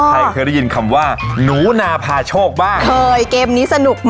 ใครเคยได้ยินคำว่าหนูนาพาโชคบ้าง